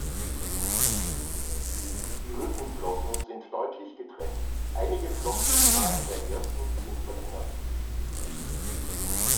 Die Rückenflossen sind deutlich getrennt, einige Flossenstrahlen der ersten sind verlängert.